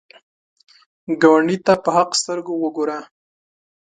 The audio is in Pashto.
ګاونډي ته په حق سترګو وګوره